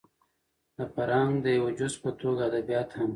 د فرهنګ د يوه جز په توګه ادبيات هم